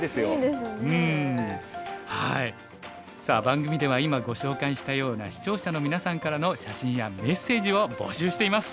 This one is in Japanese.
さあ番組では今ご紹介したような視聴者のみなさんからの写真やメッセージを募集しています。